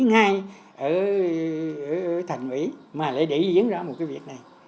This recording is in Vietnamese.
ngay ở thành ủy mà lại để diễn ra một cái việc này